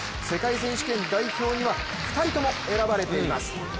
世界選手権代表には２人とも選ばれています。